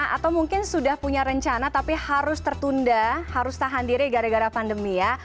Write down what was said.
atau mungkin sudah punya rencana tapi harus tertunda harus tahan diri gara gara pandemi ya